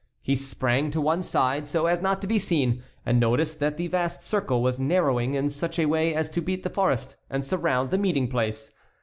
He sprang to one side so as not to be seen, and noticed that the vast circle was narrowing in such a way as to beat the forest and surround the meeting place.